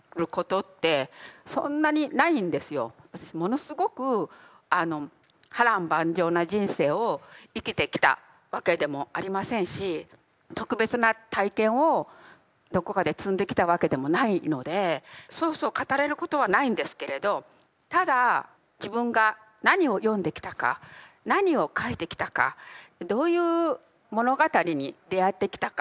私ものすごく波乱万丈な人生を生きてきたわけでもありませんし特別な体験をどこかで積んできたわけでもないのでそうそう語れることはないんですけれどただ自分が何を読んできたか何を書いてきたかどういう物語に出会ってきたか